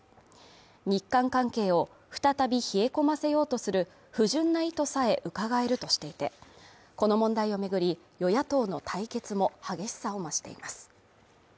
日韓関係を再び冷え込ませようとする不純な意図さえうかがえるとしてこの問題を巡り、与野党の対決も激しさを増しています。